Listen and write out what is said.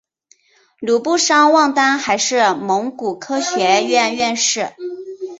鲁布桑旺丹还是蒙古科学院院士。